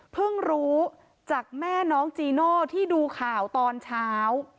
รู้จากแม่น้องจีโน่ที่ดูข่าวตอนเช้า